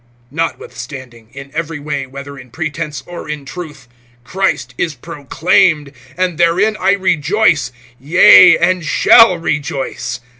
Notwithstanding, in every way, whether in pretense or in truth, Christ is proclaimed; and therein I rejoice, yea, and shall rejoice.